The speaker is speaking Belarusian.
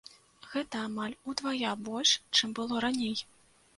Гэта амаль удвая больш, чым было раней.